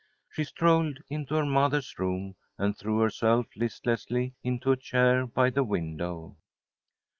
She strolled into her mother's room, and threw herself listlessly into a chair by the window.